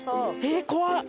えっ怖っ！